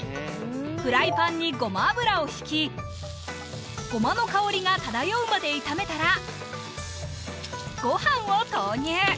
フライパンにごま油をひきごまの香りが漂うまで炒めたらご飯を投入